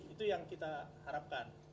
itu yang kita harapkan